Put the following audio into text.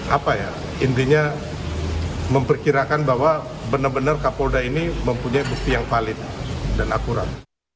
apa ya intinya memperkirakan bahwa benar benar kapolda ini mempunyai bukti yang valid dan akurat